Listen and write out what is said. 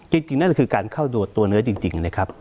จริงนั่นคือการเข้าตัวเนื้อจริงนะครับ